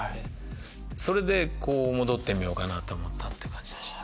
それで戻ってみようかなと思ったって感じでした。